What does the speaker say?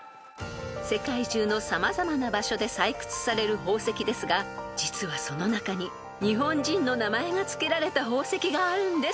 ［世界中の様々な場所で採掘される宝石ですが実はその中に日本人の名前がつけられた宝石があるんです］